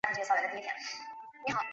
遣归河东郡。